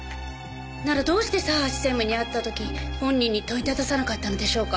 ならどうして佐橋専務に会った時本人に問いたださなかったのでしょうか？